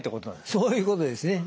そういうことですね。